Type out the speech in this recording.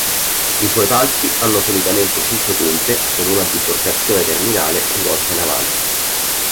I suoi palchi hanno solitamente cinque punte con una biforcazione terminale rivolta in avanti.